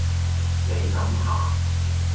你諗下